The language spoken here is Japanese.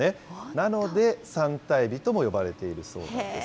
なので、サンタエビとも呼ばれているそうなんです。